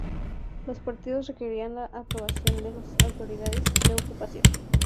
Los partidos requerían la aprobación de las autoridades de ocupación.